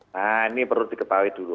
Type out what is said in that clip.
nah ini perlu diketahui dulu